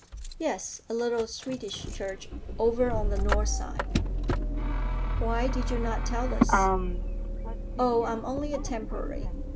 "Yes. A little Swedish church, over on the North side." "Why did you not tell us?" "Oh, I'm only a temporary.